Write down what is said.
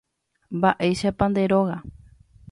Mba'éichapa nde róga.